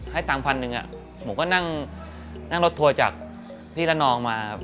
ให้ตังค์พันธุ์หนึ่งผมก็นั่งรถโธ่จากธิรดรนองมา